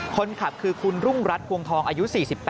คนขับคือคุณรุ่งรัฐพวงทองอายุ๔๘